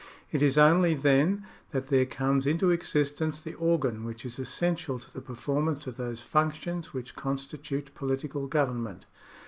It is only then, that there comes into existence the organ which is essential to the performance of those functions which constitute political government.